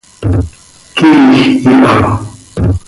quiij iha.